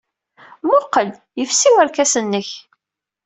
Mmuqqel, yefsi werkas-nnek.